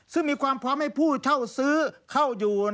ซึ่งมีความพร้อมให้ผู้เช่าซื้อเข้าอยู่